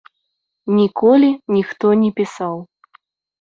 Ніколі ніхто не пісаў.